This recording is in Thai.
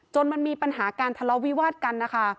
มันมีปัญหาการทะเลาะวิวาดกันนะคะ